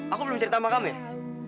aku belum cerita sama kamu ya